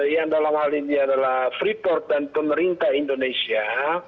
yang dalam hal ini adalah freeport dan pemerintah indonesia